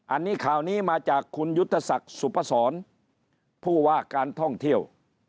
อันนี้ข่าวนี้มาจากคุณยุทธศักดิ์สุพศรผู้ว่าการท่องเที่ยว